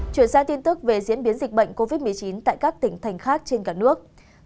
chuyển sang tin tức về diễn biến dịch bệnh covid một mươi chín tại các tỉnh thành khác trên cả nước